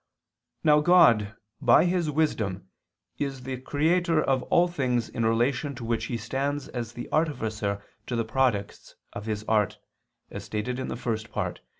Now God, by His wisdom, is the Creator of all things in relation to which He stands as the artificer to the products of his art, as stated in the First Part (Q.